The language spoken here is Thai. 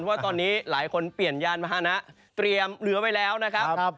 ว่าตอนนี้หลายคนเปลี่ยนยานมหานะเตรียมเหลือไว้แล้วนะครับ